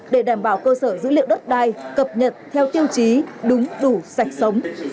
để đảm bảo cơ sở dữ liệu đất đai cập nhật theo tiêu chí đúng đủ sạch sống